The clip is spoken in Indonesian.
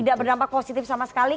tidak berdampak positif sama sekali